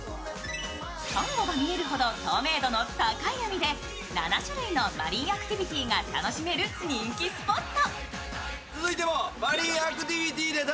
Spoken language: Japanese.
さんごが見えるほど透明度の高い海で７種類のマリンアクティビティーが楽しめる人気スポット。